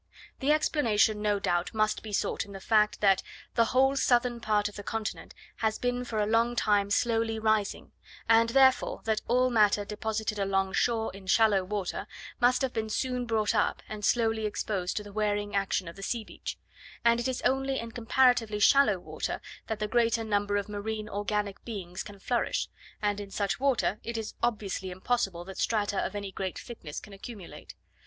The explanation, no doubt, must be sought in the fact, that the whole southern part of the continent has been for a long time slowly rising; and therefore that all matter deposited along shore in shallow water, must have been soon brought up and slowly exposed to the wearing action of the sea beach; and it is only in comparatively shallow water that the greater number of marine organic beings can flourish, and in such water it is obviously impossible that strata of any great thickness can accumulate.